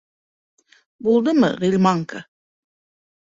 Булдымы, Ғилманка?